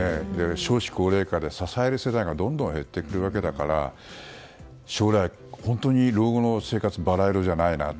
少子高齢化で、支える世代がどんどん減っていっているわけだから、将来、老後の生活はバラ色じゃないなと。